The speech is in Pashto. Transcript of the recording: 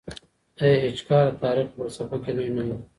ای اېچ کار د تاریخ په فلسفه کي لوی نوم دی.